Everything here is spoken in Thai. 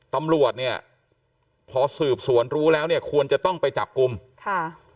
ตำรวจเนี่ยพอสืบสวนรู้แล้วเนี่ยควรจะต้องไปจับกลุ่มค่ะ